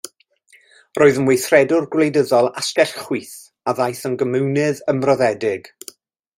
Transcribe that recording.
Roedd yn weithredwr gwleidyddol asgell chwith a ddaeth yn gomiwnydd ymroddedig.